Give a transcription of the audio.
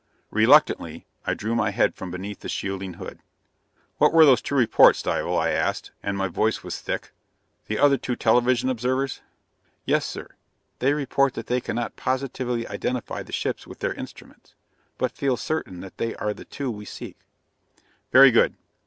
Reluctantly, I drew my head from beneath the shielding hood. "What were the two reports, Dival?" I asked, and my voice was thick. "The other two television observers?" "Yes, sir. They report that they cannot positively identify the ships with their instruments, but feel certain that they are the two we seek." "Very good.